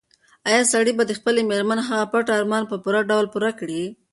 ایا سړی به د خپلې مېرمنې هغه پټ ارمان په پوره ډول پوره کړي؟